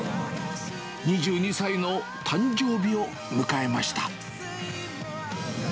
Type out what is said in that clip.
２２歳の誕生日を迎えました。